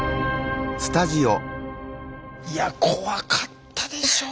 いや怖かったでしょう。